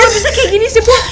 ibu apa bisa kayak gini sih ibu